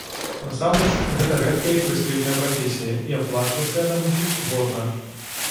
Насамрэч, гэта рэдкая і прэстыжная прафесія, і аплачвацца яна мусіць годна.